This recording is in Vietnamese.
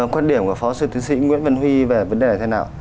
quan điểm của phó sư tiến sĩ nguyễn văn huy về vấn đề thế nào